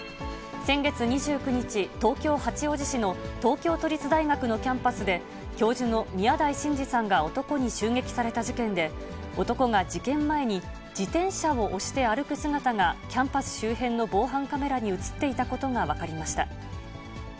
先月２９日、東京・八王子市の東京都立大学のキャンパスで、教授の宮台真司さんが男に襲撃された事件で、男が事件前に、自転車を押して歩く姿が、キャンパス周辺の防犯カメラに写っていたことが分かりました。